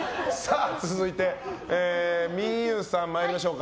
続いて、望結さん参りましょう。